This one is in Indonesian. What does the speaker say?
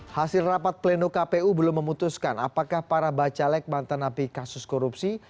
hasil rapat pleno kpu belum memutuskan apakah para bacalek mantan api kasus korupsi